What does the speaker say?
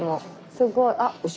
すごい。